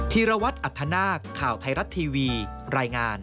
พิระวัติอัตธานาคข่าวไทยรัตน์ทีวีรายงาน